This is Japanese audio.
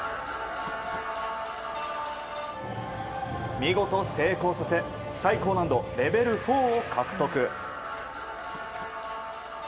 見事、成功させ最高難度レベル４を獲得。